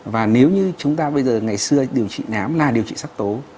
và nếu như chúng ta bây giờ ngày xưa điều trị nám là điều trị sắc tố